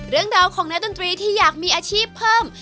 เรื่องราวของนักดนตรีที่อยากมีอาชีพเพิ่ม